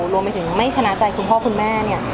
รวมไปถึงไม่ชนะใจคุณพ่อคุณแม่เนี่ย